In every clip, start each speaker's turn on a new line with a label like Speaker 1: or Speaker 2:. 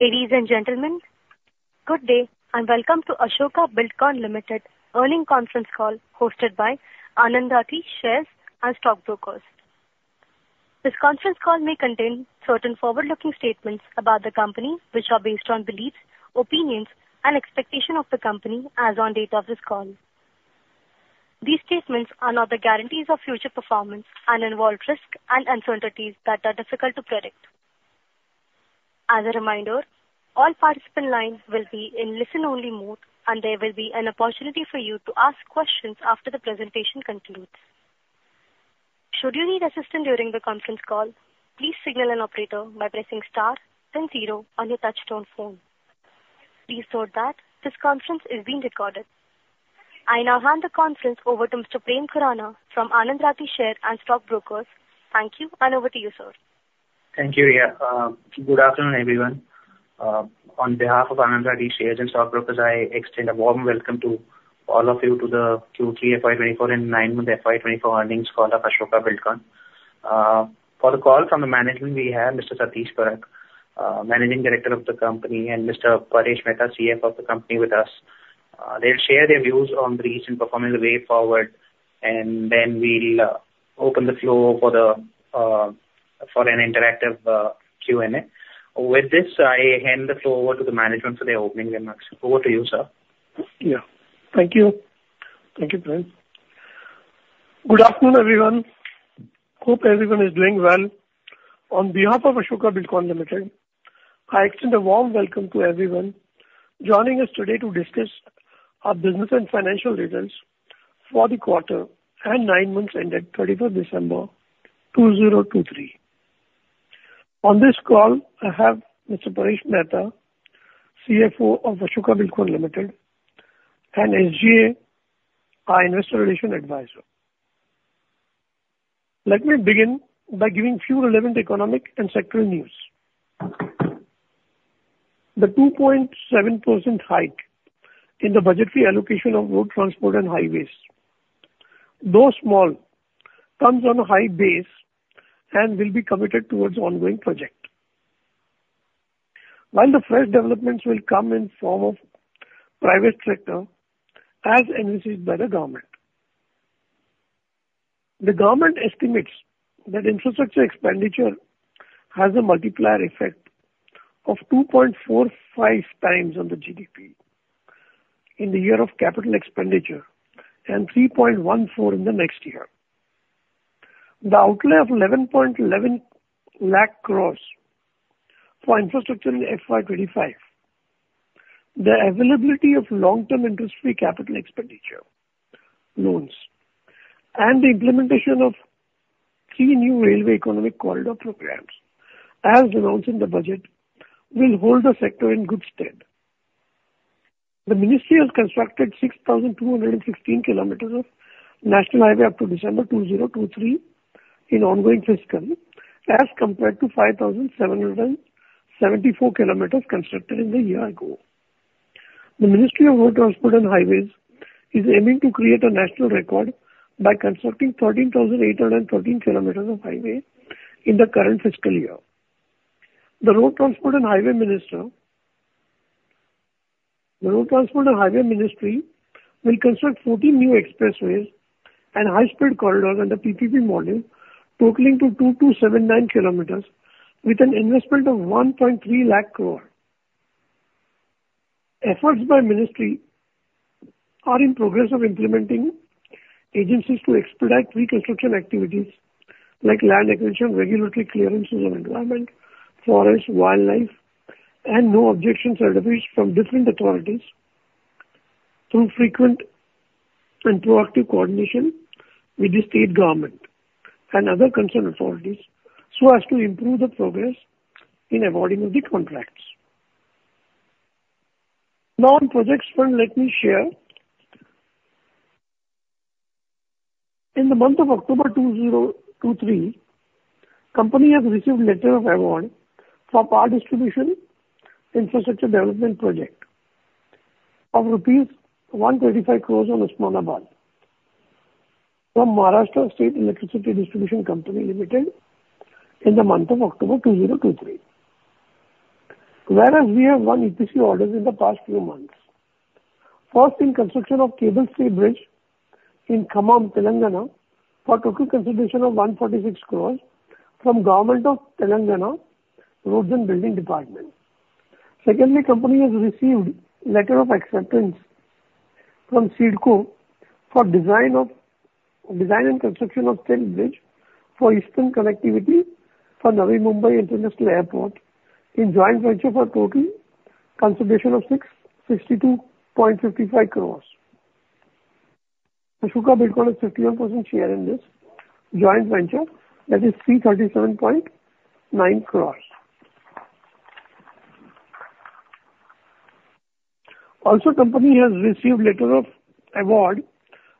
Speaker 1: Ladies and gentlemen, good day, and welcome to Ashoka Buildcon Limited earnings conference call hosted by Anand Rathi Share and Stock Brokers. This conference call may contain certain forward-looking statements about the company, which are based on beliefs, opinions, and expectation of the company as on date of this call. These statements are not the guarantees of future performance and involve risks and uncertainties that are difficult to predict. As a reminder, all participant lines will be in listen-only mode, and there will be an opportunity for you to ask questions after the presentation concludes. Should you need assistance during the conference call, please signal an operator by pressing star then zero on your touchtone phone. Please note that this conference is being recorded. I now hand the conference over to Mr. Prem Khurana from Anand Rathi Share and Stock Brokers. Thank you, and over to you, sir.
Speaker 2: Thank you, Riya. Good afternoon, everyone. On behalf of Anand Rathi Share and Stock Brokers, I extend a warm welcome to all of you to the Q3 FY 2024 and nine-month FY 2024 earnings call of Ashoka Buildcon. For the call from the management, we have Mr. Satish Parakh, Managing Director of the company, and Mr. Paresh Mehta, CF of the company with us. They'll share their views on the recent performance and the way forward, and then we'll open the floor for an interactive Q&A. With this, I hand the floor over to the management for the opening remarks. Over to you, sir.
Speaker 3: Yeah. Thank you. Thank you, Prem. Good afternoon, everyone. Hope everyone is doing well. On behalf of Ashoka Buildcon Limited, I extend a warm welcome to everyone joining us today to discuss our business and financial results for the quarter and nine months ended thirty-first December 2023. On this call, I have Mr. Paresh Mehta, CFO of Ashoka Buildcon Limited, and SGA, our investor relation advisor. Let me begin by giving few relevant economic and sectoral news. The 2.7% hike in the budget free allocation of road transport and highways, though small, comes on a high base and will be committed towards ongoing project. While the first developments will come in form of private sector, as initiated by the government. The government estimates that infrastructure expenditure has a multiplier effect of 2.45 times on the GDP in the year of capital expenditure and 3.14 in the next year. The outlay of 1,111,000 crore for infrastructure in FY 2025, the availability of long-term interest-free capital expenditure loans, and the implementation of three new railway economic corridor programs, as announced in the budget, will hold the sector in good stead. The ministry has constructed 6,216 km of national highway up to December 2023 in ongoing fiscal, as compared to 5,774 km constructed in the year ago. The Ministry of Road Transport and Highways is aiming to create a national record by constructing 13,813 km of highway in the current fiscal year. The Road Transport and Highway Minister... The Road Transport and Highway Ministry will construct 14 new expressways and high-speed corridors under PPP model, totaling 2,279 kilometers with an investment of 130,000 crore. Efforts by ministry are in progress of implementing agencies to expedite reconstruction activities like land acquisition, regulatory clearances on environment, forest, wildlife, and no objection certificates from different authorities through frequent and proactive coordination with the state government and other concerned authorities, so as to improve the progress in awarding of the contracts. Now, on projects front, let me share. In the month of October 2023, company has received letter of award from Power Distribution Infrastructure Development Project of INR 135 crore on Osmanabad from Maharashtra State Electricity Distribution Company Limited in the month of October 2023. Whereas, we have won EPC orders in the past few months. First, in construction of cable-stay bridge in Khammam, Telangana, for total consideration of 146 crore from Government of Telangana Roads and Buildings Department. Secondly, company has received letter of acceptance from CIDCO for design and construction of steel bridge for eastern connectivity for Navi Mumbai International Airport in joint venture for total consideration of INR 662.55 crore. Ashoka Buildcon has 51% share in this joint venture, that is, 337.9 crore. Also, company has received letter of award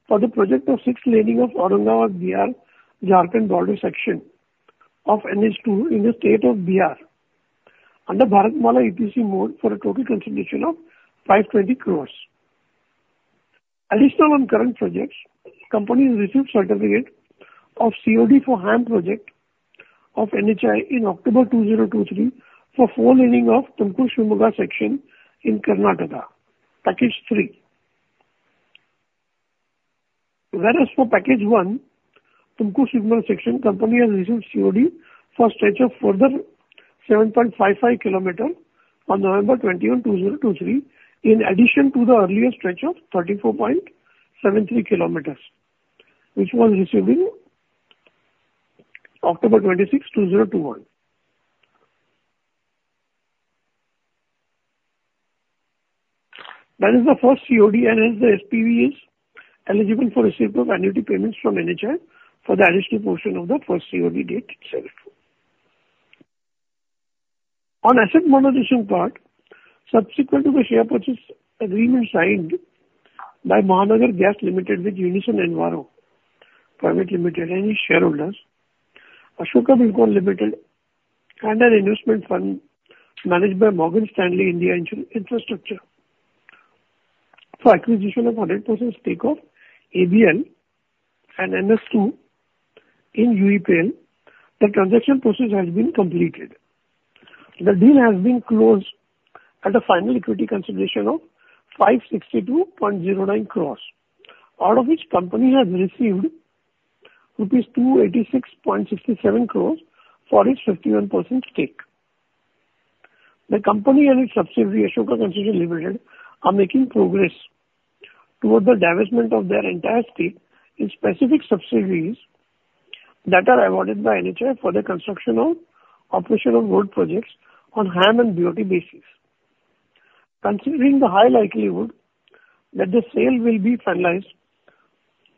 Speaker 3: for the project of six-laning of Aurangabad Bihar-Jharkhand border section of NH 2 in the state of Bihar under Bharatmala EPC mode for a total consideration of 520 crore. Additional on current projects, company has received certificate of COD for HAM project of NHAI in October 2023, for 4-laning of Tumkur-Shivamoga section in Karnataka, package 3. Whereas for package 1, Tumkur-Shivamoga section, company has received COD for stretch of further 7.55 kilometer on November 21, 2023, in addition to the earlier stretch of 34.73 kilometers, which was received in October 26, 2021. That is the first COD and as the SPV is eligible for receipt of annuity payments from NHAI for the additional portion of the first COD date itself. On asset monetization part, subsequent to the share purchase agreement signed by Mahanagar Gas Limited with Unison Enviro Private Limited and its shareholders, Ashoka Buildcon Limited and an investment fund managed by Morgan Stanley India Infrastructure. For acquisition of 100% stake of ABL and MSII in UEPL, the transaction process has been completed. The deal has been closed at a final equity consideration of 562.09 crore out of which company has received rupees 286.67 crore for its 51% stake. The company and its subsidiary, Ashoka Concessions Limited, are making progress toward the divestment of their entire stake in specific subsidiaries that are awarded by NHAI for the construction of operational road projects on HAM and BOT basis. Considering the high likelihood that the sale will be finalized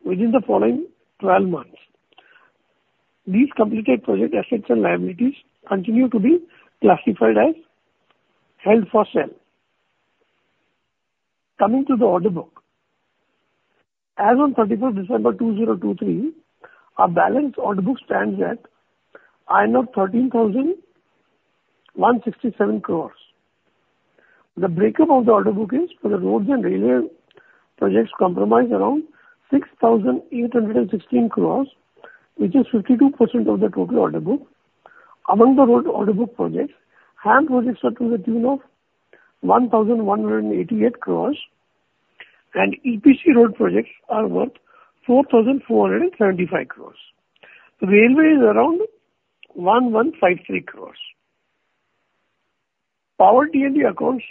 Speaker 3: within the following 12 months, these completed project assets and liabilities continue to be classified as held for sale. Coming to the order book. As on 31 December 2023, our balance order book stands at 13,167 crore. The breakup of the order book is, for the roads and railway projects comprise around 6,816 crore, which is 52% of the total order book. Among the road order book projects, HAM projects are to the tune of 1,188 crore, and EPC road projects are worth 4,475 crore. Railway is around 1,153 crore. Power T&D accounts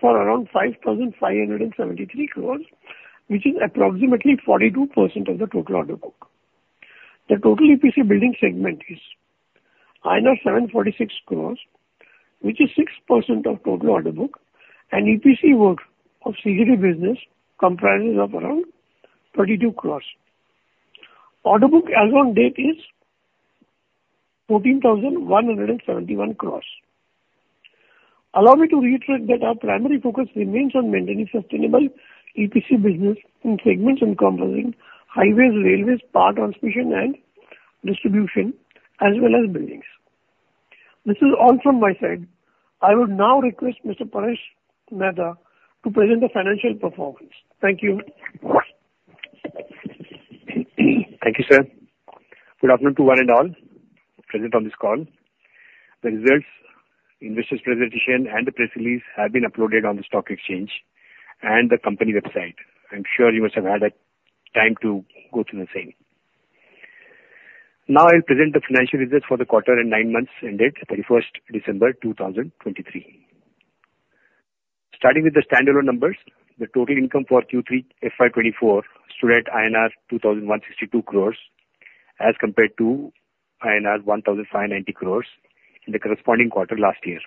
Speaker 3: for around 5,573 crore, which is approximately 42% of the total order book. The total EPC building segment is 746 crore, which is 6% of total order book, and EPC work of CGD business comprises of around 32 crore. Order book as on date is 14,171 crore. Allow me to reiterate that our primary focus remains on maintaining sustainable EPC business in segments encompassing highways, railways, power transmission, and distribution, as well as buildings. This is all from my side. I would now request Mr. Paresh Mehta to present the financial performance. Thank you.
Speaker 4: Thank you, sir. Good afternoon to one and all present on this call. The results in this presentation and the press release have been uploaded on the stock exchange and the company website. I'm sure you must have had time to go through the same. Now, I'll present the financial results for the quarter and nine months ended 31 December 2023. Starting with the standalone numbers, the total income for Q3 FY 2024 stood at INR 2,162 crore, as compared to INR 1,590 crore in the corresponding quarter last year,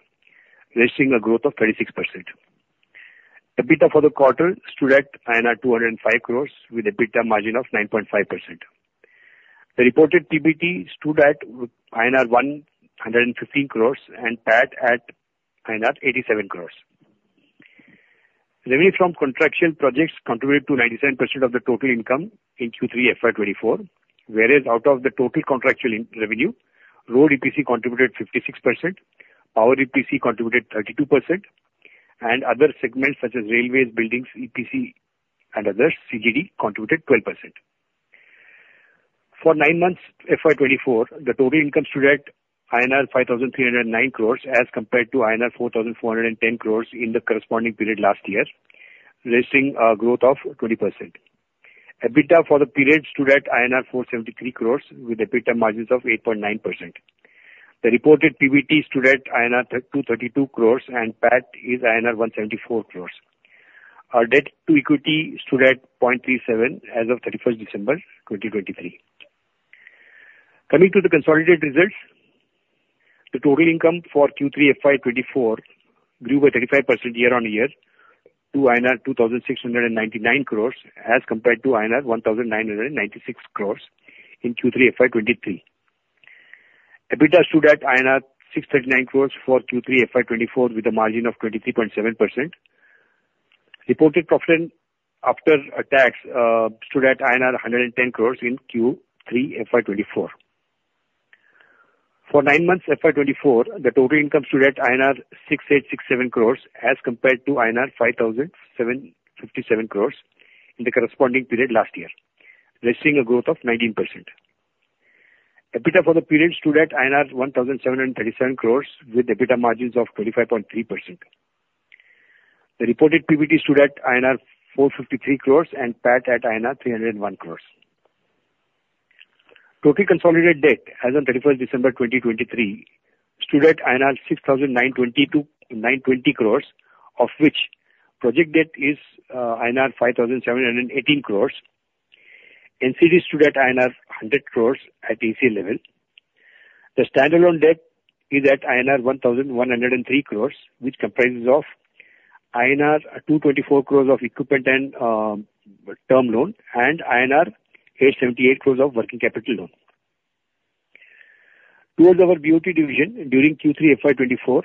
Speaker 4: registering a growth of 36%. EBITDA for the quarter stood at INR 205 crore with a EBITDA margin of 9.5%. The reported PBT stood at INR 115 crore and PAT at INR 87 crore. Revenue from contractual projects contributed to 97% of the total income in Q3 FY 2024, whereas out of the total contractual income revenue, road EPC contributed 56%, power EPC contributed 32%, and other segments such as railways, buildings, EPC and other CGD contributed 12%. For nine months, FY 2024, the total income stood at INR 5,309 crore as compared to INR 4,410 crore in the corresponding period last year, registering a growth of 20%. EBITDA for the period stood at INR 473 crore, with EBITDA margins of 8.9%. The reported PBT stood at INR 232 crore, and PAT is INR 174 crore. Our debt to equity stood at 0.37 as of thirty-first December 2023. Coming to the consolidated results, the total income for Q3 FY 2024 grew by 35% year-on-year to INR 2,699 crore, as compared to INR 1,996 crore in Q3 FY 2023. EBITDA stood at INR 639 crore for Q3 FY 2024, with a margin of 23.7%. Reported profit after tax stood at INR 110 crore in Q3 FY 2024. For nine months, FY 2024, the total income stood at INR 6,867 crore, as compared to INR 5,757 crore in the corresponding period last year, registering a growth of 19%. EBITDA for the period stood at INR 1,737 crore, with EBITDA margins of 25.3%. The reported PBT stood at INR 453 crore and PAT at INR 301 crore. Total consolidated debt as on 31 December 2023, stood at INR 6,922.92 crore, of which project debt is INR 5,718 crore, NCD stood at INR 100 crore at AC level. The standalone debt is at INR 1,103 crore, which comprises of INR 224 crore of equipment and term loan, and INR 878 crore of working capital loan. Towards our BOT division, during Q3 FY 2024,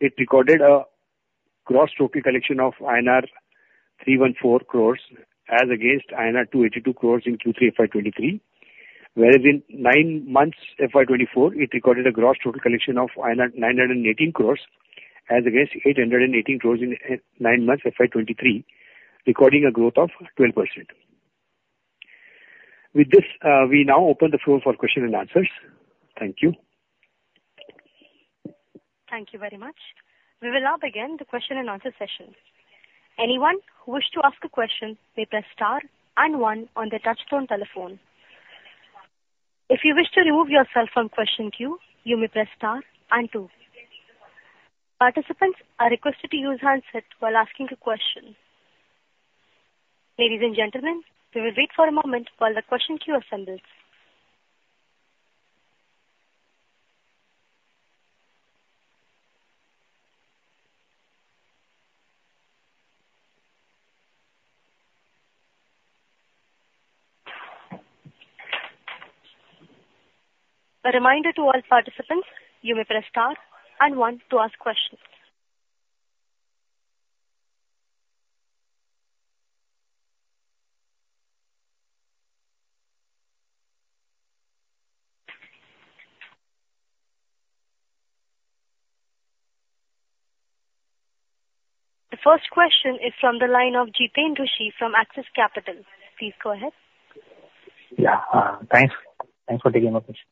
Speaker 4: it recorded a gross total collection of INR 314 crore, as against INR 282 crore in Q3 FY 2023. Whereas in nine months, FY 2024, it recorded a gross total collection of 918 crore, as against 818 crore in nine months FY 2023, recording a growth of 12%. With this, we now open the floor for question and answers. Thank you.
Speaker 1: Thank you very much. We will now begin the question and answer session. Anyone who wish to ask a question may press star and one on their touchtone telephone. If you wish to remove yourself from question queue, you may press star and two. Participants are requested to use handset while asking a question. Ladies and gentlemen, we will wait for a moment while the question queue assembles. A reminder to all participants, you may press star and one to ask questions. The first question is from the line of Jitendra Rishi from Axis Capital. Please go ahead.
Speaker 5: Yeah. Thanks. Thanks for taking my question.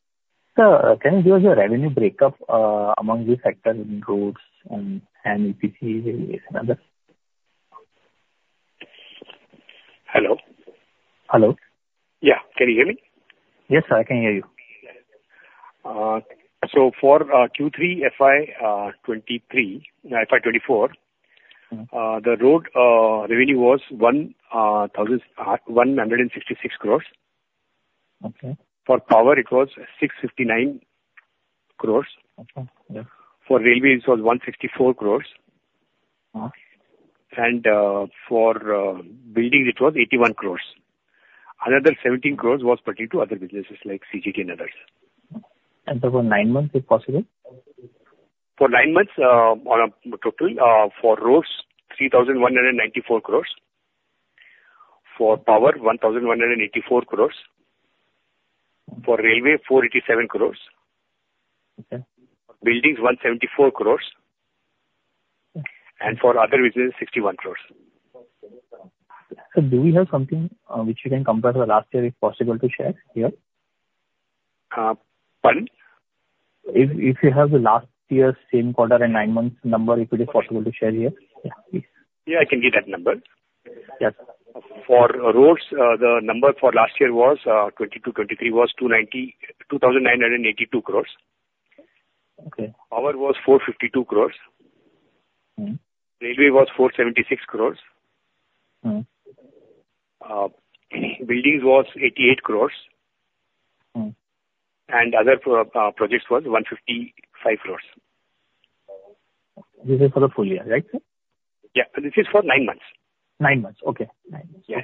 Speaker 5: Sir, can you give us a revenue breakup among the sector in roads and EPC and others?
Speaker 4: Hello?
Speaker 5: Hello.
Speaker 4: Yeah. Can you hear me?
Speaker 5: Yes, I can hear you.
Speaker 4: So for Q3 FY 2023, FY 2024-
Speaker 5: Mm-hmm.
Speaker 4: The road revenue was 1,166 crore.
Speaker 5: Okay.
Speaker 4: For power it was 659 crore.
Speaker 5: Okay. Yeah.
Speaker 4: For railway, it was 164 crore.
Speaker 5: Mm.
Speaker 4: For buildings, it was 81 crore. Another 17 crore was pertain to other businesses like CGD and others.
Speaker 5: For nine months, if possible?
Speaker 4: For nine months, on a total, for roads, 3,194 crore, for power, 1,184 crore, for railway, 487 crore.
Speaker 5: Okay.
Speaker 4: Buildings, 174 crore, and for other business, 61 crore.
Speaker 5: Do we have something, which you can compare to the last year, if possible, to share here?
Speaker 4: Uh, pardon?
Speaker 5: If you have the last year's same quarter and nine months number, if it is possible to share here, yeah, please.
Speaker 4: Yeah, I can get that number.
Speaker 5: Yes.
Speaker 4: For roads, the number for last year was 2022-2023, was 2,982 crore.
Speaker 5: Okay.
Speaker 4: Ours was 452 crore.
Speaker 5: Mm.
Speaker 4: Railway was 476 crore.
Speaker 5: Mm.
Speaker 4: Billings was 88 crore.
Speaker 5: Mm.
Speaker 4: Other projects was 155 crore.
Speaker 5: This is for the full year, right, sir?
Speaker 4: Yeah. This is for nine months.
Speaker 5: 9 months. Okay. 9 months.
Speaker 4: Yeah.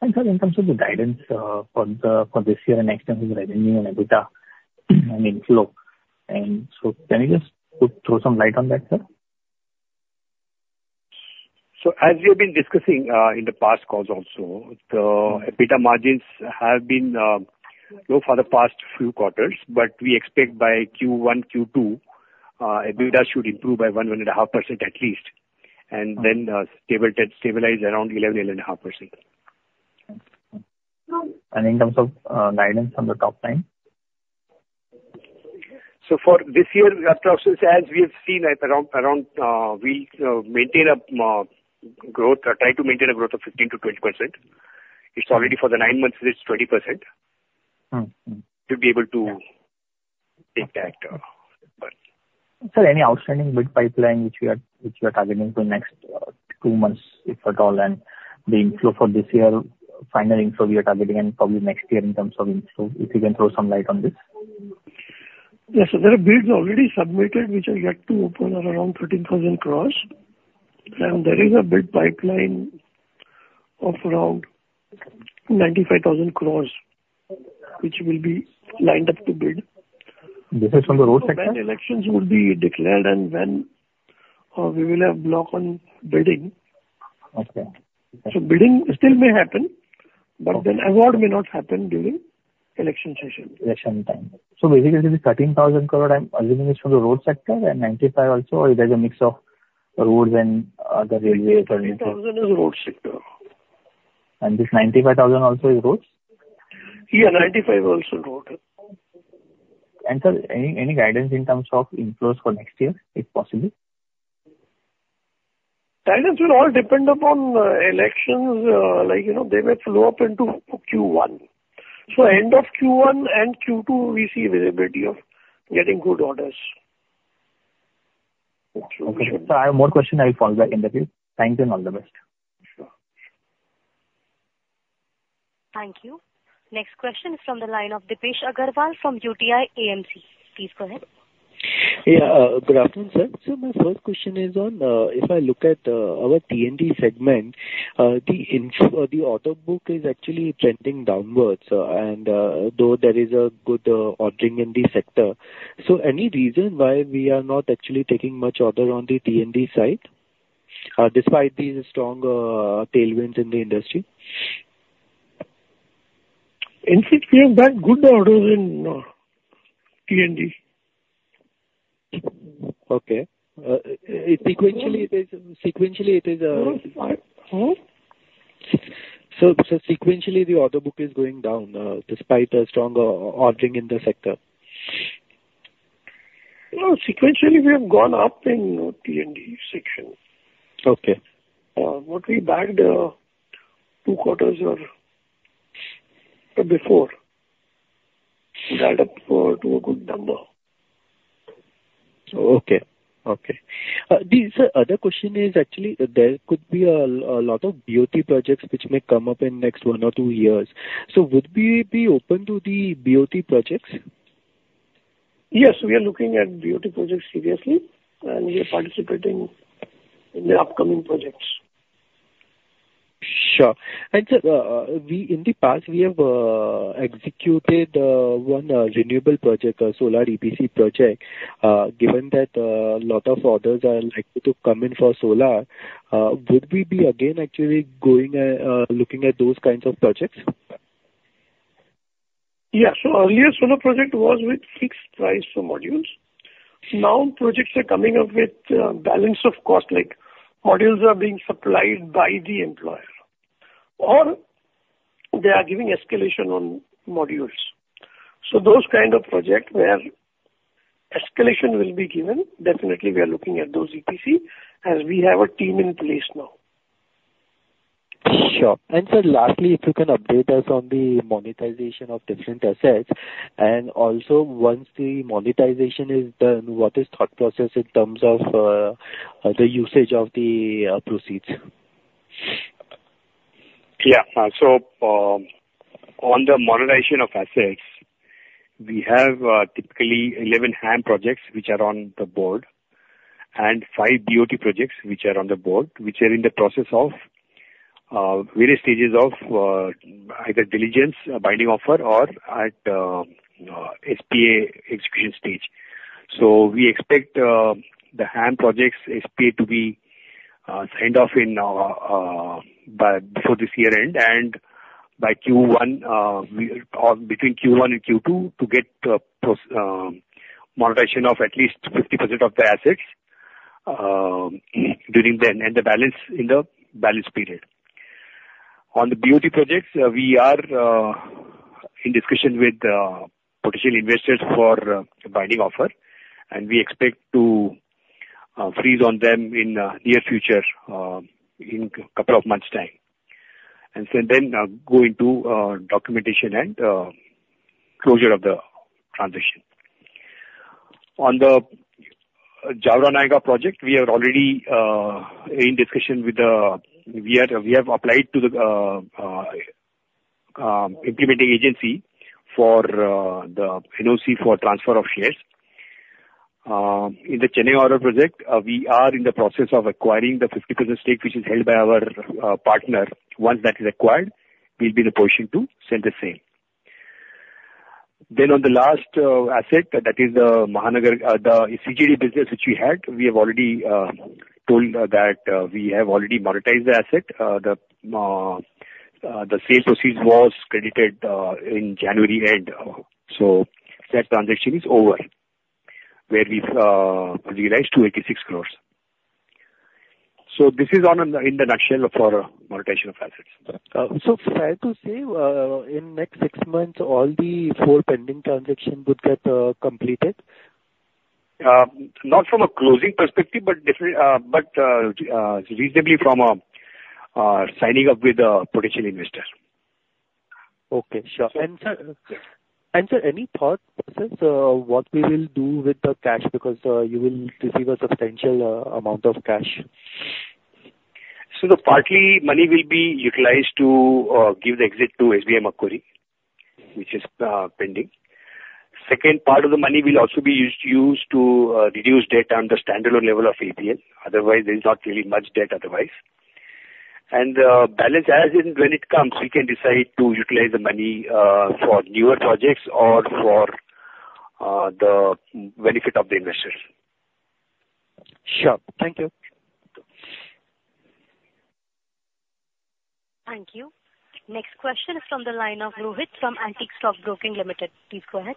Speaker 5: And so, in terms of the guidance for this year and next year's revenue and EBITDA, and inflow, and so can you just put, throw some light on that, sir?
Speaker 4: As we have been discussing in the past calls also, the EBITDA margins have been low for the past few quarters, but we expect by Q1, Q2, EBITDA should improve by 1-1.5% at least, and then stabilize around 11-11.5%.
Speaker 5: In terms of guidance from the top line?
Speaker 4: So for this year, our top line, as we have seen at around, around, we maintain a growth, or try to maintain a growth of 15%-20%. It's already for the nine months it is 20%.
Speaker 5: Mm-hmm.
Speaker 4: To be able to take that...
Speaker 5: Sir, any outstanding bid pipeline which you are targeting for next two months, if at all, and the inflow for this year, final inflow we are targeting and probably next year in terms of inflow, if you can throw some light on this?
Speaker 4: Yes. There are bids already submitted which are yet to open, are around 13,000 crore. There is a bid pipeline of around 95,000 crore, which will be lined up to bid.
Speaker 5: This is on the road sector?
Speaker 4: When elections will be declared and when we will have block on bidding.
Speaker 5: Okay.
Speaker 4: Bidding still may happen, but then award may not happen during election session.
Speaker 5: Election time. So basically, the 13,000 crore, I'm assuming, is from the road sector and 95 also, or there's a mix of roads and other railways and-
Speaker 4: 13,000 is road sector.
Speaker 5: This 95,000 also is roads?
Speaker 4: Yeah, 95 is also road.
Speaker 5: Sir, any guidance in terms of inflows for next year, if possible?
Speaker 4: Guidance will all depend upon elections. Like, you know, they may flow up into Q1. So end of Q1 and Q2, we see visibility of getting good orders.
Speaker 5: Okay, sir, I have more question. I'll call back in a bit. Thanks and all the best.
Speaker 4: Sure.
Speaker 1: Thank you. Next question is from the line of Dipesh Agarwal from UTI AMC. Please go ahead.
Speaker 6: Yeah, good afternoon, sir. So my first question is on, if I look at, our P&D segment, the order book is actually trending downwards, and, though there is a good, ordering in the sector. So any reason why we are not actually taking much order on the P&D side, despite these strong, tailwinds in the industry?
Speaker 4: In fact, we have bagged good orders in P&D.
Speaker 6: Okay. Sequentially, it is,
Speaker 4: Hmm, what?
Speaker 6: So, sequentially, the order book is going down despite a strong ordering in the sector.
Speaker 4: No, sequentially, we have gone up in P&D section.
Speaker 6: Okay.
Speaker 4: What we bagged, two quarters or before, add up to a good number.
Speaker 6: Okay. Okay. The other question is actually there could be a lot of BOT projects which may come up in the next one or two years. So would we be open to the BOT projects?
Speaker 4: Yes, we are looking at BOT projects seriously, and we are participating in the upcoming projects.
Speaker 6: Sure. And sir, in the past, we have executed one renewable project, a solar EPC project. Given that a lot of orders are likely to come in for solar, would we be again actually going looking at those kinds of projects?
Speaker 4: Yeah. So earlier solar project was with fixed price for modules. Now, projects are coming up with balance of cost, like modules are being supplied by the employer, or they are giving escalation on modules. So those kind of project where escalation will be given, definitely we are looking at those EPC, as we have a team in place now.
Speaker 6: Sure. And sir, lastly, if you can update us on the monetization of different assets, and also once the monetization is done, what is thought process in terms of the usage of the proceeds?
Speaker 4: Yeah. So, on the monetization of assets, we have typically 11 HAM projects which are on the board, and 5 BOT projects which are on the board, which are in the process of various stages of either diligence, binding offer or at SPA execution stage. So we expect the HAM projects SPA to be signed off by before this year end, and by Q1 or between Q1 and Q2, to get proceeds monetization of at least 50% of the assets during the and the balance in the balance period. On the BOT projects, we are in discussion with potential investors for a binding offer, and we expect to freeze on them in near future in couple of months' time. go into documentation and closure of the transition. On the Jawara Naga project, we are already in discussion with the, we have, we have applied to the implementing agency for the NOC for transfer of shares. In the Chennai order project, we are in the process of acquiring the 50% stake, which is held by our partner. Once that is acquired, we'll be in a position to send the same. Then on the last asset, that is, Mahanagar, the CGD business which we had, we have already told that we have already monetized the asset. The sale proceed was credited in January end, so that transaction is over, where we raised 286 crore. So this is, in a nutshell, for monetization of assets.
Speaker 6: Fair to say, in next six months, all the four pending transaction would get completed?
Speaker 4: Not from a closing perspective, but different, but reasonably from a signing up with a potential investor.
Speaker 6: Okay. Sure. And sir, and sir, any thought process what we will do with the cash? Because you will receive a substantial amount of cash.
Speaker 4: So the partly money will be utilized to give the exit to SBI Macquarie, which is pending. Second part of the money will also be used to reduce debt under standalone level of APL; otherwise, there is not really much debt otherwise. And the balance as in when it comes, we can decide to utilize the money for newer projects or for the benefit of the investors.
Speaker 6: Sure. Thank you.
Speaker 1: Thank you. Next question is from the line of Rohit from Antique Stock Broking Limited. Please go ahead.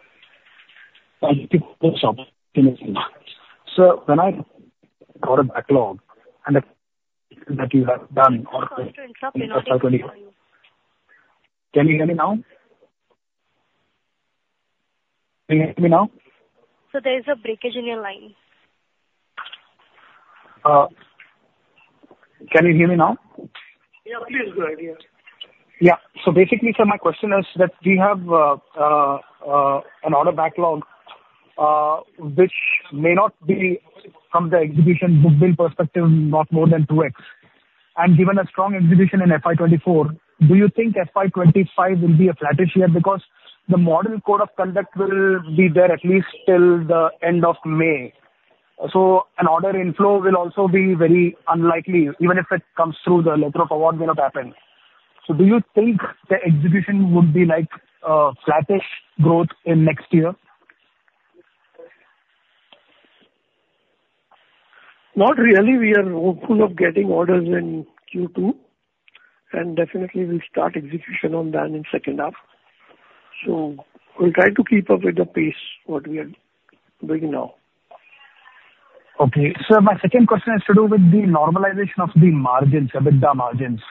Speaker 7: Sir, when I got a backlog and that you have done or-
Speaker 1: Call is going to drop in order for you.
Speaker 7: Can you hear me now? Can you hear me now?
Speaker 1: Sir, there is a breakage in your line.
Speaker 7: Can you hear me now?
Speaker 4: Yeah, please, go ahead, yeah.
Speaker 7: Yeah. So basically, sir, my question is that we have an order backlog, which may not be from the execution book-to-bill perspective, not more than 2x. And given a strong execution in FY 2024, do you think FY 2025 will be a flattish year? Because the model code of conduct will be there at least till the end of May, so an order inflow will also be very unlikely, even if it comes through the letter of award may not happen. So do you think the execution would be like flattish growth in next year?
Speaker 4: Not really. We are hopeful of getting orders in Q2, and definitely we'll start execution on that in second half. So we'll try to keep up with the pace what we are doing now.
Speaker 7: Okay. Sir, my second question has to do with the normalization of the margins, EBITDA margins.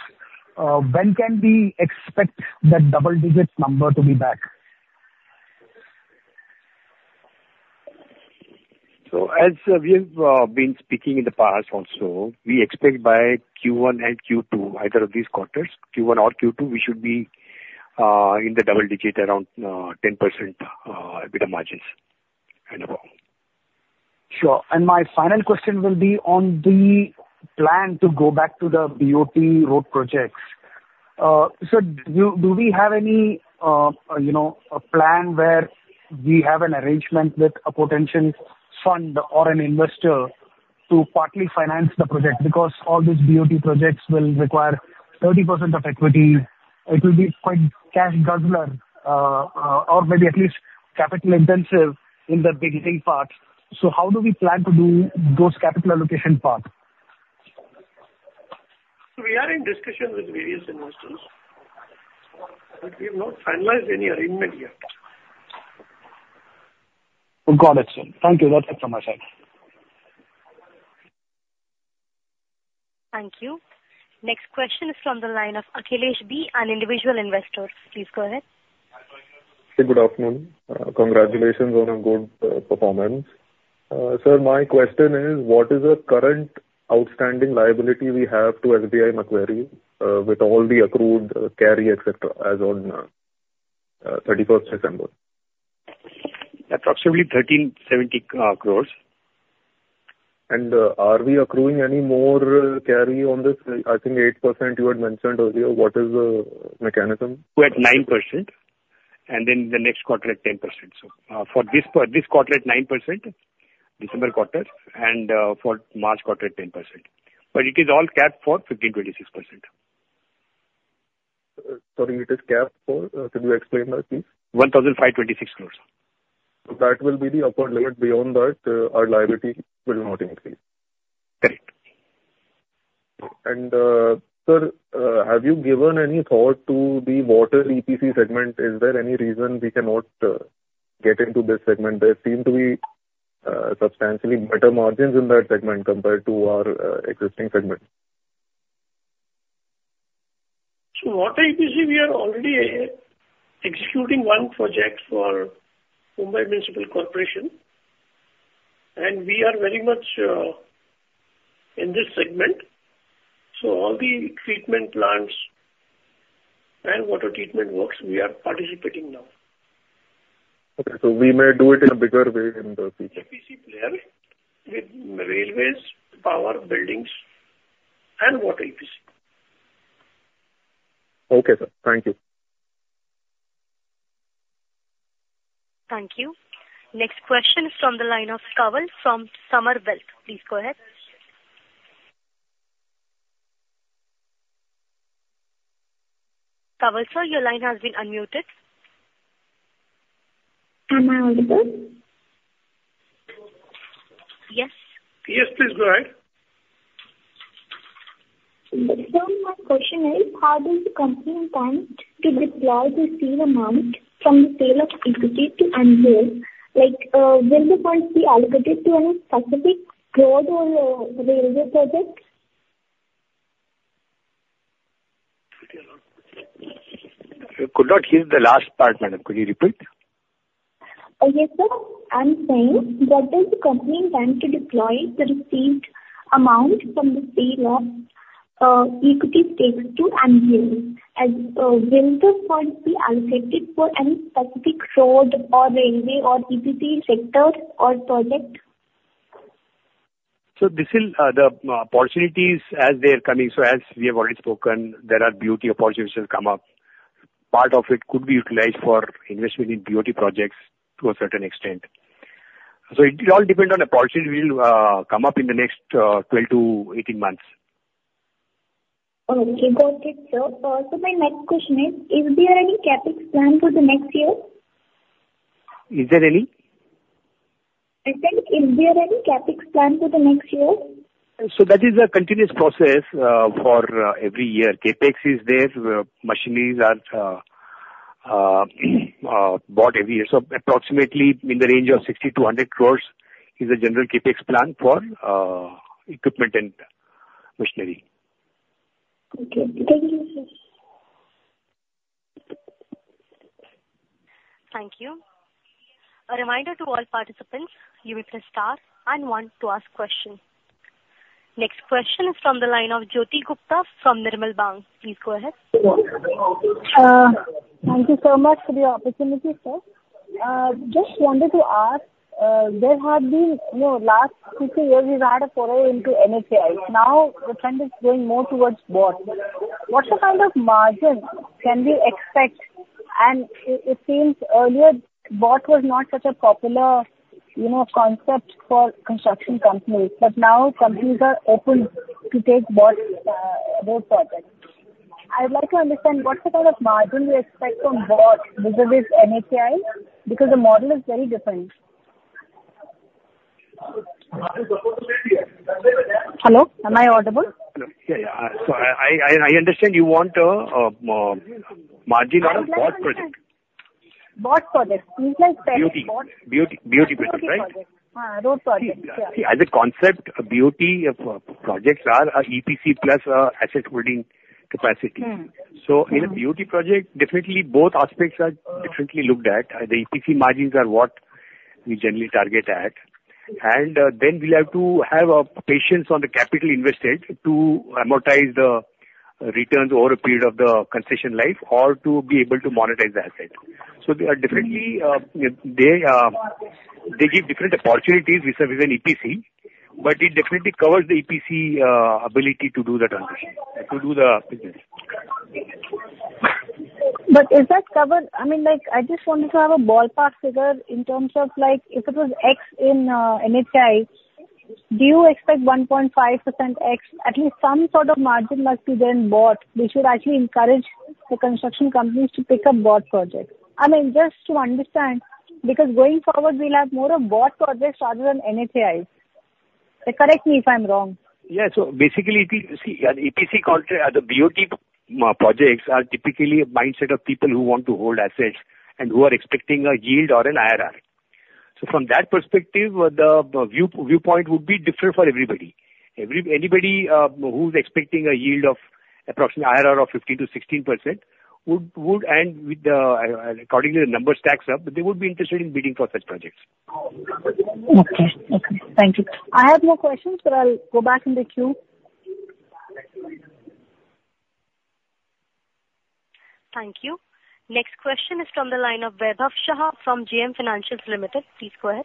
Speaker 7: When can we expect that double digit number to be back?
Speaker 4: As we have been speaking in the past also, we expect by Q1 and Q2, either of these quarters, Q1 or Q2, we should be in the double digit, around 10% EBITDA margins annual.
Speaker 7: Sure. My final question will be on the plan to go back to the BOT road projects. So do we have any, you know, a plan where we have an arrangement with a potential fund or an investor to partly finance the project? Because all these BOT projects will require 30% of equity. It will be quite cash guzzler, or maybe at least capital intensive in the beginning part. How do we plan to do those capital allocation part?
Speaker 4: We are in discussion with various investors, but we have not finalized any arrangement yet.
Speaker 7: Got it, sir. Thank you. That's it from my side.
Speaker 1: Thank you. Next question is from the line of Akhilesh B, an individual investor. Please go ahead.
Speaker 8: Good afternoon. Congratulations on a good performance. Sir, my question is: What is the current outstanding liability we have to SBI Macquarie, with all the accrued carry, et cetera, as on thirty-first December?
Speaker 4: Approximately 1,370 crore.
Speaker 8: Are we accruing any more carry on this? I think 8% you had mentioned earlier. What is the mechanism?
Speaker 4: We're at 9%, and then the next quarter at 10%. So, for this quarter at 9%, December quarter, and for March quarter, 10%. But it is all capped for 15.6%.
Speaker 8: Sorry, it is capped for? Could you explain that, please?
Speaker 4: 1,526 crore.
Speaker 8: So that will be the upper limit. Beyond that, our liability will not increase.
Speaker 4: Correct.
Speaker 8: Sir, have you given any thought to the water EPC segment? Is there any reason we cannot get into this segment? There seem to be substantially better margins in that segment compared to our existing segment.
Speaker 4: So water EPC, we are already executing one project for Mumbai Municipal Corporation, and we are very much in this segment. So all the treatment plants and water treatment works, we are participating now.
Speaker 8: Okay, so we may do it in a bigger way in the future.
Speaker 4: EPC player with railways, power, buildings, and water EPC.
Speaker 8: Okay, sir. Thank you.
Speaker 1: Thank you. Next question is from the line of Kawal from Summer Belt. Please go ahead. Kawal, sir, your line has been unmuted.
Speaker 9: Am I audible?
Speaker 1: Yes.
Speaker 4: Yes, please go ahead.
Speaker 9: Sir, my question is: How does the company plan to deploy the seed amount from the sale of equity to Anvil? Like, will the funds be allocated to any specific road or railway projects?
Speaker 4: Could you repeat again? I could not hear the last part, madam. Could you repeat?
Speaker 9: Yes, sir. I'm saying, where does the company plan to deploy the received amount from the sale of equity stakes to Anvil? As, will the funds be allocated for any specific road or railway or EPC sector or project?
Speaker 4: So this will the opportunities as they are coming, so as we have already spoken, there are BOT opportunities come up. Part of it could be utilized for investment in BOT projects to a certain extent. So it will all depend on the policy we'll come up in the next 12-18 months.
Speaker 3: Okay. Got it, sir. My next question is, is there any CapEx plan for the next year?
Speaker 4: Is there any?
Speaker 3: I said, is there any CapEx plan for the next year?
Speaker 4: So that is a continuous process for every year. CapEx is there, machineries are bought every year. So approximately in the range of 60 crore-100 crore is the general CapEx plan for equipment and machinery.
Speaker 3: Okay. Thank you, sir.
Speaker 1: Thank you. A reminder to all participants, you may press star and one to ask questions. Next question is from the line of Jyoti Gupta from Nirmal Bang. Please go ahead.
Speaker 10: Thank you so much for the opportunity, sir. Just wanted to ask, there have been, you know, last two, three years, we've had a foray into NHAI. Now, the trend is going more towards BOT. What kind of margin can we expect? And it, it seems earlier, BOT was not such a popular, you know, concept for construction companies, but now companies are open to take BOT road projects. I'd like to understand, what's the kind of margin we expect from BOT versus NHAI, because the model is very different. Hello, am I audible?
Speaker 4: Hello. Yeah, yeah. So I understand you want margin on a BOT project.
Speaker 10: BOT project-
Speaker 4: BOT, BOT, BOT project, right?
Speaker 10: Road project. Yeah.
Speaker 4: See, as a concept, a BOT of projects are an EPC plus, asset holding capacity.
Speaker 10: Mm-hmm.
Speaker 4: So in a BOT project, definitely both aspects are differently looked at. The EPC margins are what we generally target at. And then we'll have to have a patience on the capital invested to amortize the returns over a period of the concession life or to be able to monetize the asset. So they are differently. They give different opportunities with an EPC, but it definitely covers the EPC ability to do the transition, to do the business.
Speaker 10: But is that covered? I mean, like, I just wanted to have a ballpark figure in terms of, like, if it was X in NHAI, do you expect 1.5% X? At least some sort of margin must be there in BOT, which should actually encourage the construction companies to pick up BOT projects. I mean, just to understand, because going forward, we'll have more of BOT projects rather than NHAI. Correct me if I'm wrong.
Speaker 4: Yeah. So basically, see, an EPC contract, the BOT projects are typically a mindset of people who want to hold assets and who are expecting a yield or an IRR. So from that perspective, the viewpoint would be different for everybody. Anybody who's expecting a yield of approximately IRR of 15%-16% would, and with the accordingly, the numbers stacks up, but they would be interested in bidding for such projects.
Speaker 10: Okay. Okay. Thank you. I have more questions, but I'll go back in the queue.
Speaker 1: Thank you. Next question is from the line of Vaibhav Shah from JM Financial Limited. Please go ahead.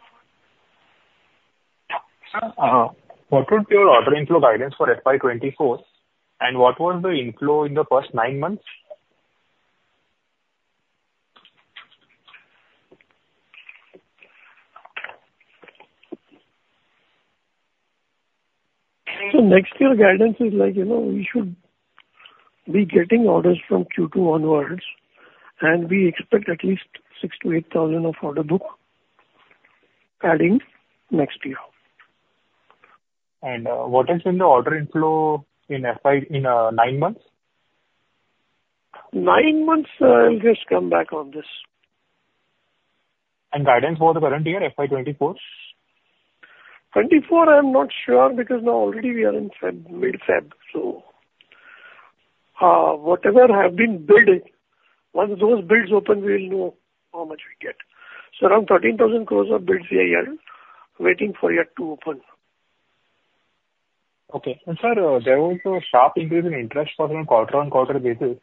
Speaker 11: What would be your order inflow guidance for FY 2024, and what was the inflow in the first 9 months?
Speaker 3: Next year guidance is like, you know, we should be getting orders from Q2 onwards, and we expect at least 6-8 thousand of order book adding next year.
Speaker 11: What has been the order inflow in FY19 in nine months?
Speaker 3: Nine months, I'll just come back on this.
Speaker 11: Guidance for the current year, FY 2024?
Speaker 3: 2024, I'm not sure, because now already we are in February, mid-February. So, whatever have been billed, once those bills open, we'll know how much we get. So around 13,000 crore of bills we are waiting for yet to open.
Speaker 11: Okay. And, sir, there was a sharp increase in interest on a quarter-over-quarter basis,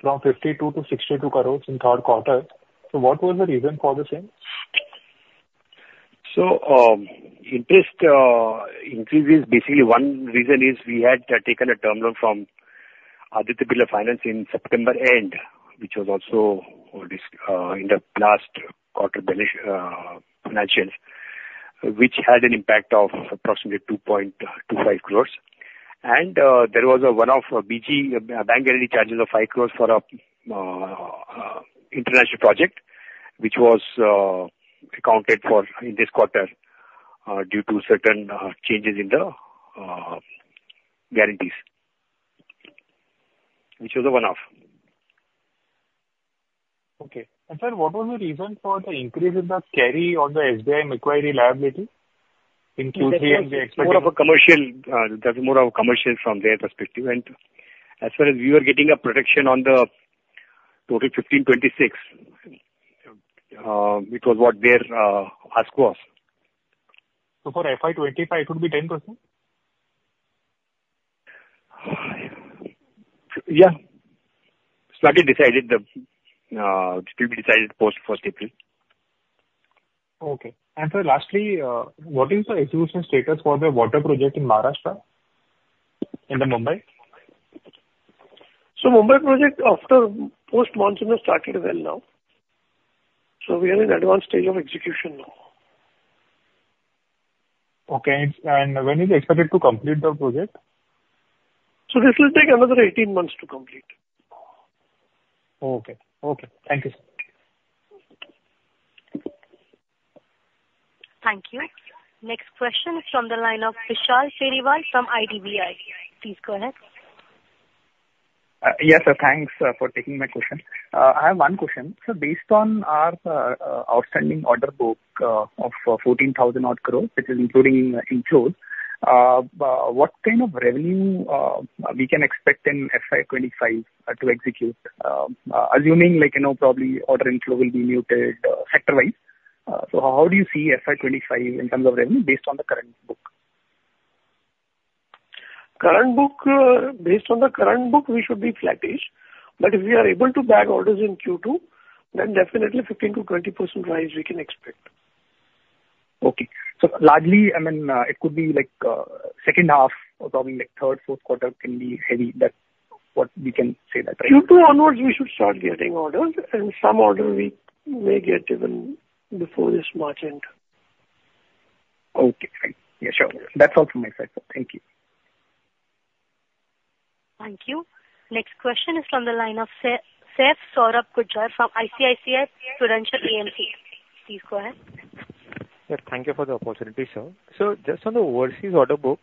Speaker 11: from 52 crore to 62 crore in Q3. So what was the reason for the same?
Speaker 4: Interest increase is basically one reason. We had taken a term loan from Aditya Birla Finance in September end, which was also this in the last quarter financially, which had an impact of approximately 2.25 crore. There was a one-off BG bank charges of 5 crore for a international project, which was accounted for in this quarter due to certain changes in the guarantees, which was a one-off.
Speaker 11: Okay. And, sir, what was the reason for the increase in the carry on the SBI equity liability in QCM?
Speaker 4: More of a commercial, that's more of a commercial from their perspective. As far as we are getting a protection on the total 1,526, it was what their ask was.
Speaker 11: For FY 2025, it would be 10%?
Speaker 4: Yeah. It will be decided post first April.
Speaker 11: Okay. And sir, lastly, what is the execution status for the water project in Maharashtra, in the Mumbai?...
Speaker 4: So Mumbai project after post-monsoon has started well now. We are in advanced stage of execution now.
Speaker 10: Okay, and when is it expected to complete the project?
Speaker 4: This will take another 18 months to complete.
Speaker 10: Okay. Okay. Thank you, sir.
Speaker 1: Thank you. Next question is from the line of Vishal Sheriwal from IDBI. Please go ahead.
Speaker 12: Yes, sir. Thanks for taking my question. I have one question. So based on our outstanding order book of 14,000-odd crore, which is including inflows, what kind of revenue we can expect in FY 2025 to execute? Assuming like, you know, probably order inflow will be muted sector-wise. So how do you see FY 2025 in terms of revenue based on the current book?
Speaker 4: Current book, based on the current book, we should be flattish, but if we are able to bag orders in Q2, then definitely 15%-20% rise we can expect.
Speaker 12: Okay. So largely, I mean, it could be like, second half or probably like Q3, Q4 can be heavy. That's what we can say that, right?
Speaker 4: Q2 onwards, we should start getting orders, and some order we may get even before this March end.
Speaker 12: Okay. Right. Yeah, sure. That's all from my side, sir. Thank you.
Speaker 1: Thank you. Next question is from the line of Saurabh Gujjar from ICICI Prudential AMC. Please go ahead.
Speaker 13: Sir, thank you for the opportunity, sir. So just on the overseas order book,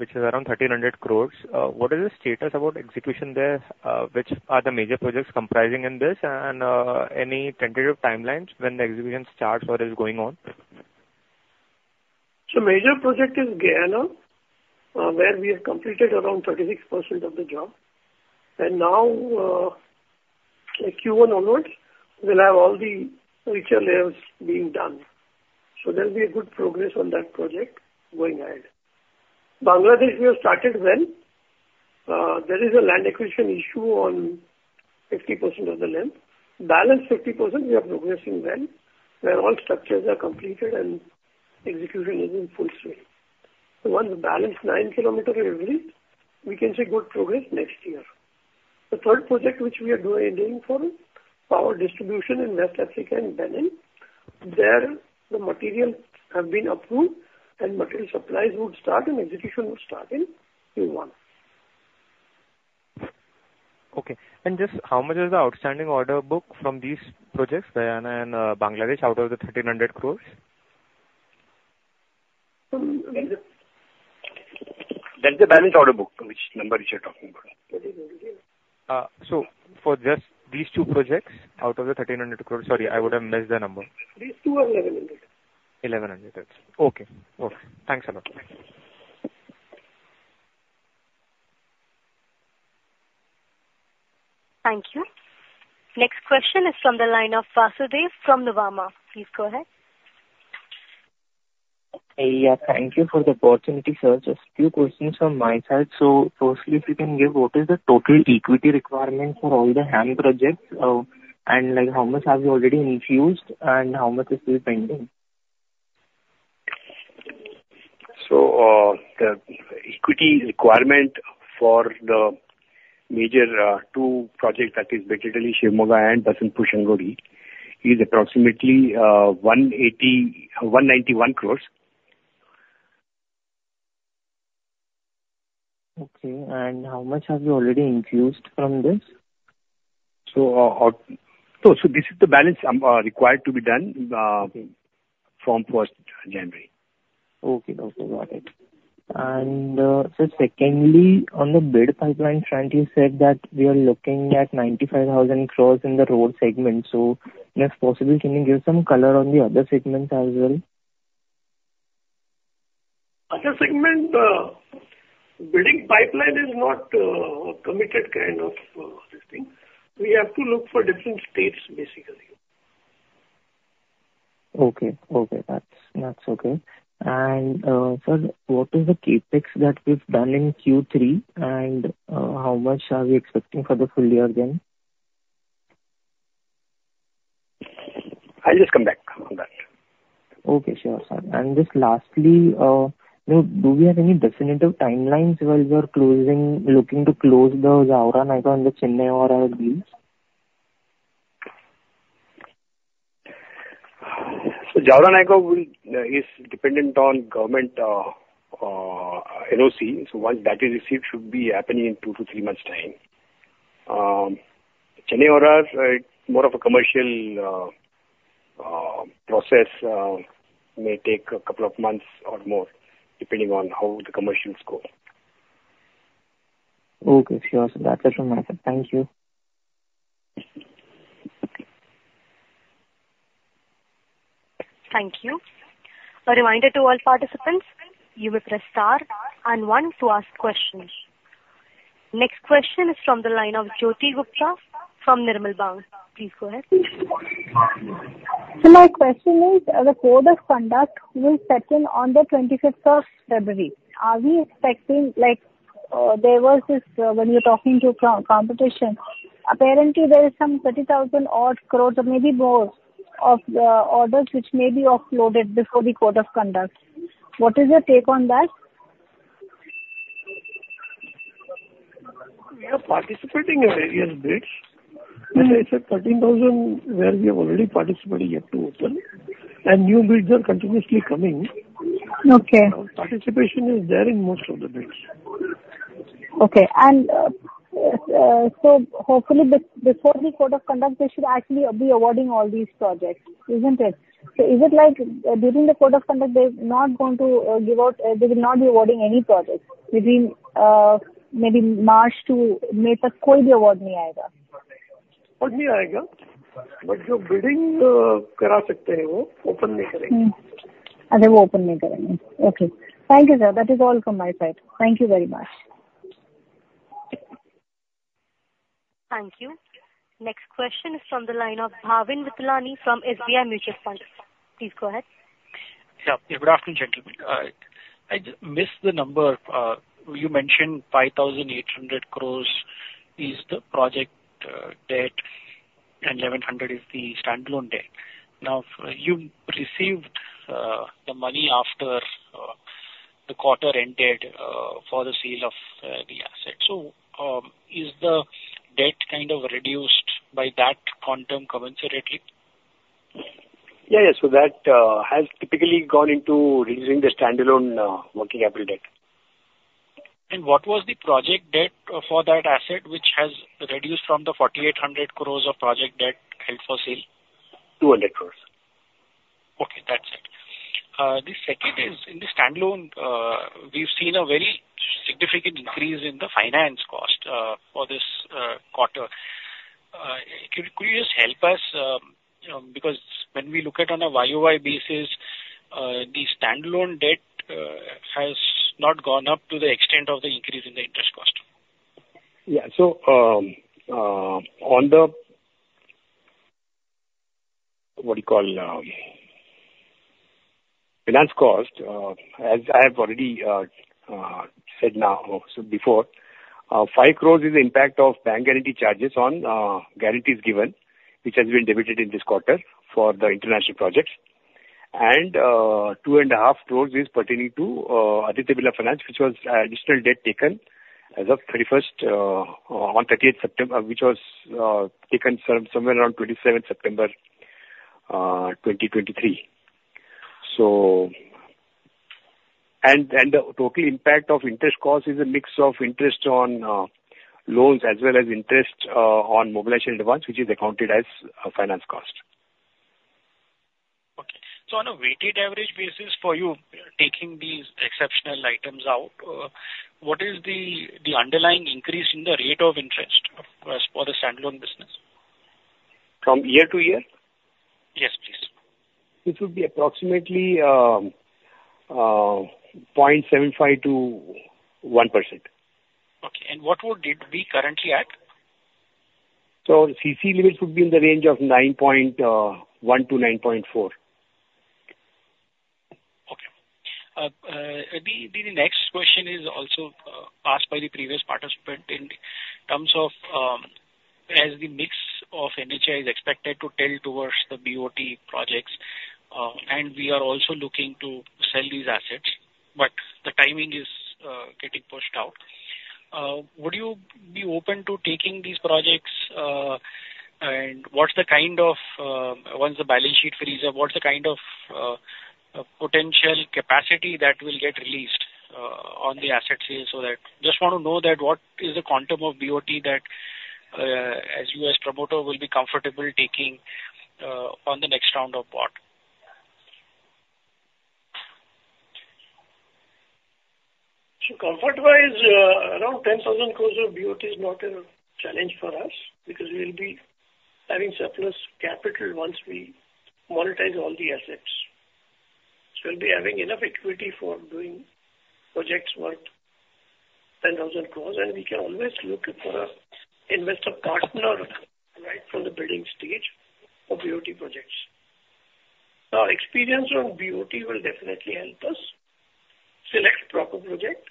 Speaker 13: which is around 1,300 crore, what is the status about execution there? Which are the major projects comprising in this, and, any tentative timelines when the execution starts or is going on?
Speaker 4: So major project is Guyana, where we have completed around 36% of the job, and now, like Q1 onwards, we'll have all the richer layers being done. So there'll be a good progress on that project going ahead. Bangladesh, we have started well. There is a land acquisition issue on 50% of the land. Balance 50%, we are progressing well, where all structures are completed and execution is in full swing. So once the balance 9 km is ready, we can see good progress next year. The third project, which we are doing again for power distribution in West Africa, in Benin, there the material have been approved and material supplies would start and execution would start in Q1.
Speaker 13: Okay. And just how much is the outstanding order book from these projects, Guyana and Bangladesh, out of the 1,300 crore?
Speaker 4: That's the balance order book, which number you're talking about.
Speaker 13: So, for just these two projects, out of the 1,300 crore... Sorry, I would have missed the number.
Speaker 4: These two are 1,100.
Speaker 13: 1,100. Okay. Okay. Thanks a lot.
Speaker 1: Thank you. Next question is from the line of Vasudev from NovaStar. Please go ahead.
Speaker 14: Hey. Yeah, thank you for the opportunity, sir. Just a few questions from my side. So firstly, if you can give what is the total equity requirement for all the HAM projects? And like how much have you already infused and how much is still pending?
Speaker 4: The equity requirement for the major two projects, that is basically Shivamoga and Basantpur-Saharsa, is approximately INR 180-191 crore.
Speaker 14: Okay. How much have you already infused from this?
Speaker 4: So this is the balance required to be done.
Speaker 14: Okay.
Speaker 4: From first January.
Speaker 14: Okay. Okay, got it. And, so secondly, on the bid pipeline front, you said that we are looking at 95,000 crore in the road segment. So if possible, can you give some color on the other segments as well?
Speaker 4: Other segment, building pipeline is not committed kind of this thing. We have to look for different states, basically.
Speaker 14: Okay. Okay. That's, that's okay. And, sir, what is the CapEx that we've done in Q3, and, how much are we expecting for the full year again?
Speaker 4: I'll just come back on that.
Speaker 14: Okay, sure, sir. And just lastly, do we have any definitive timelines while we are closing, looking to close the Jaora Nayagaon and the Chennai Ora deals?
Speaker 4: So Jawara Naga will is dependent on government NOC. So once that is received, should be happening in 2-3 months' time. Chennai Ora is more of a commercial process. May take a couple of months or more, depending on how the commercials go.
Speaker 14: Okay, sure, sir. That's it from my side. Thank you.
Speaker 1: Thank you. A reminder to all participants, you may press Star and One to ask questions. Next question is from the line of Jyoti Gupta from Nirmal Bang. Please go ahead.
Speaker 10: So my question is, as the code of conduct will settle on the twenty-fifth of February, are we expecting like, there was this, when you're talking to competition, apparently there is some 30,000-odd crore or maybe more of orders which may be offloaded before the code of conduct. What is your take on that?
Speaker 4: We are participating in various bids. As I said, 13,000, where we have already participated, yet to open, and new bids are continuously coming.
Speaker 10: Okay.
Speaker 4: Participation is there in most of the bids.
Speaker 10: Okay. And, so hopefully before the code of conduct, they should actually be awarding all these projects, isn't it? So is it like, during the code of conduct, they're not going to give out-- they will not be awarding any projects within, maybe March to May,
Speaker 4: Not award, but your bidding.
Speaker 10: Mm-hmm. Okay. Thank you, sir. That is all from my side. Thank you very much.
Speaker 1: Thank you. Next question is from the line of Bhavin Vithlani from SBI Mutual Fund. Please go ahead.
Speaker 15: Yeah. Good afternoon, gentlemen. I just missed the number. You mentioned 5,800 crore is the project debt, and 1,100 crore is the standalone debt. Now, you received the money after the quarter ended for the sale of the asset. So, is the debt kind of reduced by that quantum commensurately?
Speaker 4: Yeah, yeah. So that has typically gone into reducing the standalone working capital debt.
Speaker 15: What was the project debt for that asset, which has reduced from the 4,800 crore of project debt held for sale?
Speaker 4: 200 crore.
Speaker 15: Okay, that's it. The second is, in the standalone, we've seen a very significant increase in the finance cost, for this quarter. Could you just help us, you know, because when we look at on a YOY basis, the standalone debt has not gone up to the extent of the increase in the interest cost.
Speaker 4: Yeah. So, on the, what you call, finance cost, as I have already said now, so before, 5 crore is the impact of bank guarantee charges on, guarantees given, which has been debited in this quarter for the international projects. And, 2.5 crore is pertaining to, Aditya Birla Finance, which was, additional debt taken as of 31st, on 30th September, which was, taken somewhere around 27th September, 2023. So... And, the total impact of interest cost is a mix of interest on, loans as well as interest, on mobilization advance, which is accounted as, finance cost.
Speaker 15: Okay. So on a weighted average basis for you, taking these exceptional items out, what is the underlying increase in the rate of interest as for the standalone business?
Speaker 4: From year to year?
Speaker 15: Yes, please.
Speaker 4: It would be approximately 0.75%-1%.
Speaker 15: Okay. And what would it be currently at?
Speaker 4: So CC limits would be in the range of 9.1-9.4.
Speaker 15: Okay. The next question is also asked by the previous participant in terms of as the mix of NHAI is expected to tilt towards the BOT projects, and we are also looking to sell these assets, but the timing is getting pushed out. Would you be open to taking these projects? And what's the kind of once the balance sheet frees up, what's the kind of potential capacity that will get released on the asset sale, so that... Just want to know that what is the quantum of BOT that as you as promoter, will be comfortable taking on the next round of BOT?
Speaker 4: Comfort-wise, around 10,000 crore of BOT is not a challenge for us, because we'll be having surplus capital once we monetize all the assets. We'll be having enough equity for doing projects worth 10,000 crore, and we can always look for a investor partner, right, from the building stage for BOT projects. Our experience on BOT will definitely help us select proper project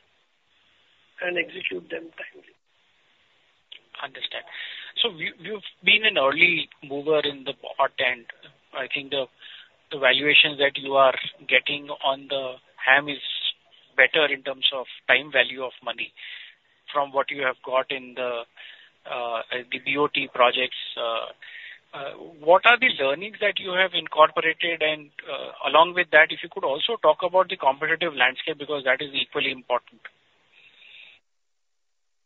Speaker 4: and execute them timely.
Speaker 15: Understand. So you, you've been an early mover in the BOT, and I think the valuations that you are getting on the HAM is better in terms of time value of money from what you have got in the BOT projects. What are the learnings that you have incorporated? And along with that, if you could also talk about the competitive landscape, because that is equally important.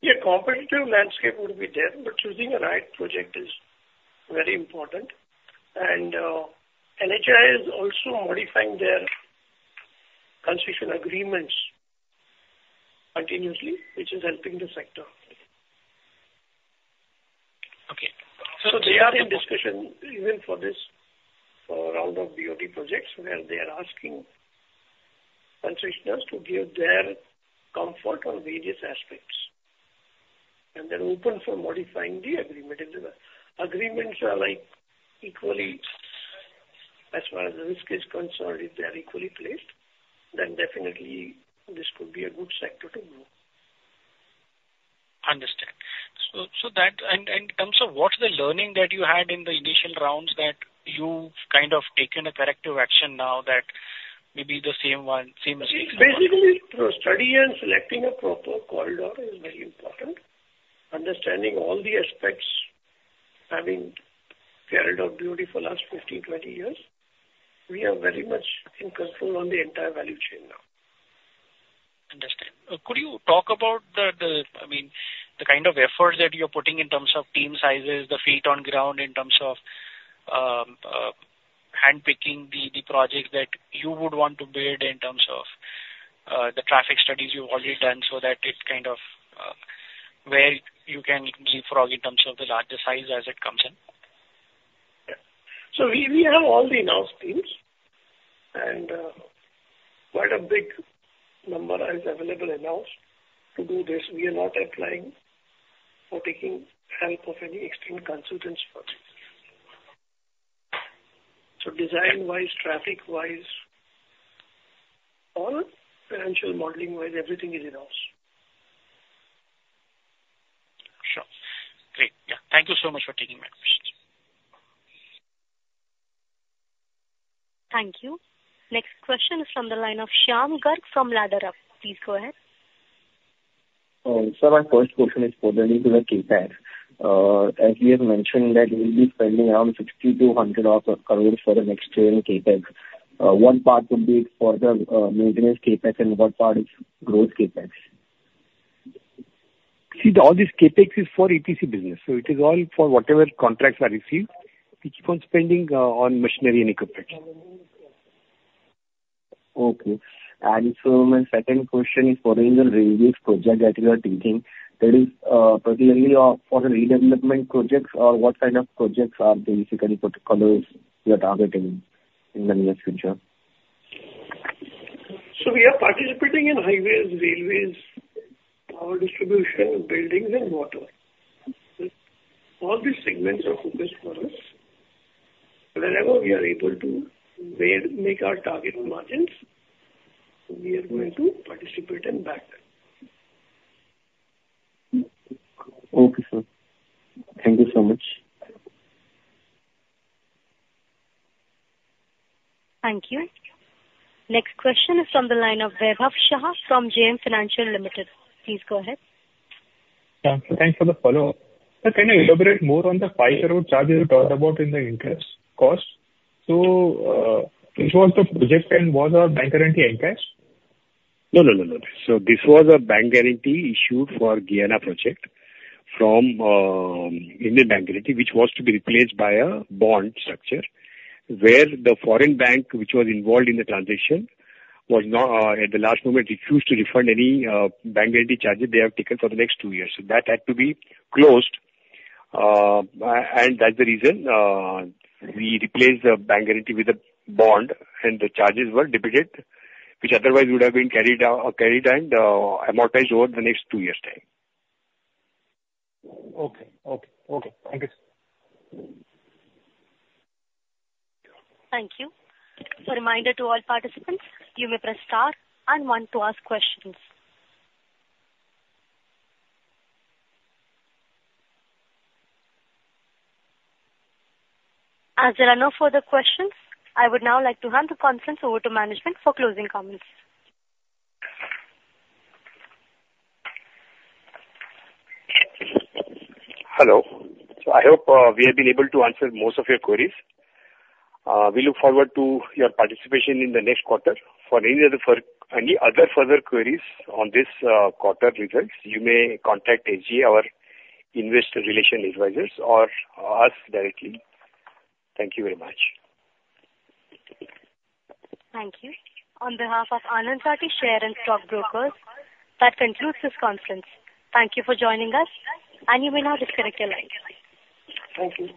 Speaker 4: Yeah, competitive landscape would be there, but choosing the right project is very important. NHAI is also modifying their concession agreements continuously, which is helping the sector.
Speaker 15: Okay.
Speaker 4: So they are in discussion even for this, for round of BOT projects, where they are asking concessionaires to give their comfort on various aspects. And they're open for modifying the agreement. If the agreements are, like, equally, as far as the risk is concerned, if they are equally placed, then definitely this could be a good sector to be.
Speaker 15: ...so that, and in terms of what's the learning that you had in the initial rounds that you've kind of taken a corrective action now that maybe the same one, same as-
Speaker 4: See, basically, to study and selecting a proper corridor is very important. Understanding all the aspects, having carried out duty for last 15-20 years, we are very much in control on the entire value chain now.
Speaker 15: Understood. Could you talk about the, I mean, the kind of efforts that you're putting in terms of team sizes, the feet on ground, in terms of handpicking the project that you would want to build in terms of the traffic studies you've already done, so that it kind of where you can leapfrog in terms of the larger size as it comes in?
Speaker 4: Yeah. So we have all the in-house teams, and quite a big number is available in-house. To do this, we are not applying for taking help of any extreme consultants for this. So design-wise, traffic-wise, all financial modeling-wise, everything is in-house.
Speaker 15: Sure. Great, yeah. Thank you so much for taking my questions.
Speaker 1: Thank you. Next question is from the line of Shyam Garg from Ladderup. Please go ahead.
Speaker 16: Sir, my first question is related to the CapEx. As you have mentioned that you'll be spending around 60 crore-100 crore for the next year in CapEx, what part would be for the maintenance CapEx and what part is growth CapEx?
Speaker 4: See, all this CapEx is for EPC business, so it is all for whatever contracts are received. We keep on spending on machinery and equipment.
Speaker 16: Okay. And so my second question is, for the various projects that you are taking, that is, particularly for the redevelopment projects or what kind of projects are basically protocols you are targeting in the near future?
Speaker 4: We are participating in highways, railways, power distribution, buildings and water. All these segments are focused for us. Wherever we are able to build, make our target margins, we are going to participate and back them.
Speaker 16: Okay, sir. Thank you so much.
Speaker 1: Thank you. Next question is from the line of Vaibhav Shah from JM Financial Limited. Please go ahead.
Speaker 11: Yeah. Thanks for the follow-up. Sir, can you elaborate more on the 5 crore charges you talked about in the interest cost? So, this was the project and was our bank guarantee encashed?
Speaker 4: No, no, no, no. So this was a bank guarantee issued for Guyana project from Indian Bank Guarantee, which was to be replaced by a bond structure, where the foreign bank which was involved in the transaction was not. At the last moment, refused to refund any bank guarantee charges they have taken for the next two years. So that had to be closed, and that's the reason we replaced the bank guarantee with a bond, and the charges were debited, which otherwise would have been carried out and amortized over the next two years' time.
Speaker 11: Okay. Okay. Okay. Thank you, sir.
Speaker 1: Thank you. A reminder to all participants, you may press star and one to ask questions. As there are no further questions, I would now like to hand the conference over to management for closing comments.
Speaker 4: Hello. I hope we have been able to answer most of your queries. We look forward to your participation in the next quarter. For any other further queries on this quarter results, you may contact SGA, our investor relation advisors, or us directly. Thank you very much.
Speaker 1: Thank you. On behalf of Anand Rathi Share and Stock Brokers, that concludes this conference. Thank you for joining us, and you may now disconnect your line. Thank you.